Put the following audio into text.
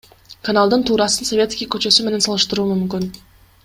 Каналдын туурасын Советский көчөсү менен салыштыруу мүмкүн.